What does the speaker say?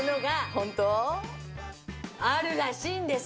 ホント？あるらしいんです。